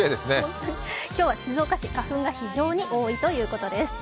今日は静岡市、花粉が非常に多いということです。